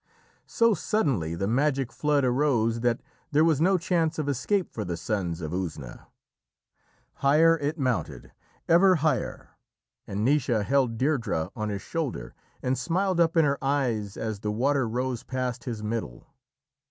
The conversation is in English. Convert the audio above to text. So suddenly the magic flood arose that there was no chance of escape for the Sons of Usna. Higher it mounted, ever higher, and Naoise held Deirdrê on his shoulder, and smiled up in her eyes as the water rose past his middle.